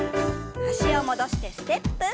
脚を戻してステップ。